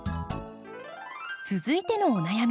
続いてのお悩み。